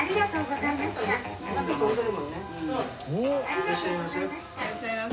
いらっしゃいませ。